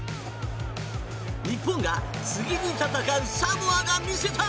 日本が次に戦うサモアが見せた。